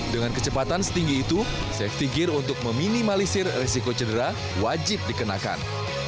dengan kecepatan setinggi itu safety gear untuk meminimalisir resiko cedera wajib dikenakan